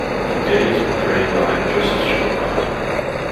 Fouquet is portrayed by Joseph Schildkraut.